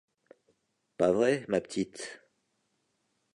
Pas vrai, ma petite ?